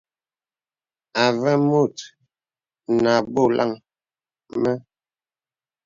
Avə mùt nə à bɔlaŋ mə.